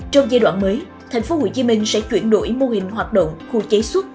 trong giai đoạn mới tp hcm sẽ chuyển đổi mô hình hoạt động khu chế xuất